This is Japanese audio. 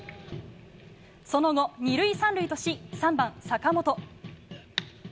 その後２塁３塁とし３番、坂本。